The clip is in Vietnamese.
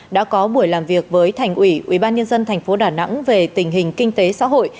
đã có buổi làm việc với thành ủy ubnd tp đà nẵng về tình hình kinh tế xã hội